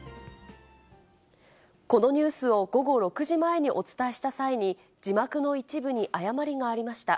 このニュースを午後６時前にお伝えした際に、字幕の一部に誤りがありました。